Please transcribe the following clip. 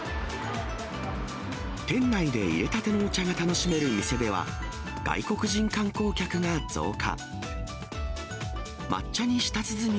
店内でいれたてのお茶が楽しめる店では、外国人観光客が増加。